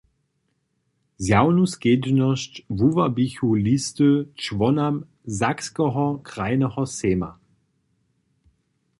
Zjawnu skedźbnosć wuwabichu listy čłonam Sakskeho krajneho sejma.